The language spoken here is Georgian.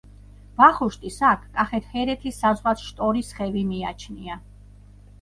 ვახუშტის აქ კახეთ-ჰერეთის საზღვრად შტორის ხევი მიაჩნია.